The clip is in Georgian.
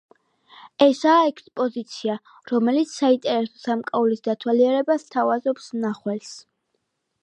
ესაა ექსპოზიცია, რომელიც საინტერესო სამკაულის დათვალიერებას სთავაზობს მნახველს.